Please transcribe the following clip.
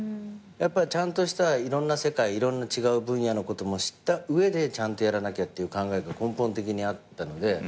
ちゃんとしたいろんな世界いろんな違う分野のことも知った上でちゃんとやらなきゃっていう考えが根本的にあったので。